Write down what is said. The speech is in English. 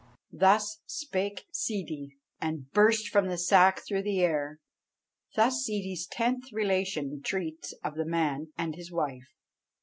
Thus spake Ssidi, and burst from the sack through the air. Thus Ssidi's tenth relation treats of the Man and his Wife.